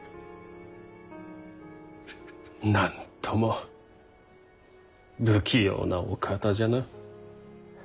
なんとも不器用なお方じゃな。